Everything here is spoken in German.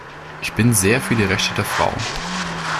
Ich bin sehr für die Rechte der Frau.